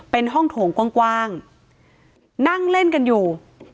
เป็นห้องโถงกว้างนั่งเล่นกันอยู่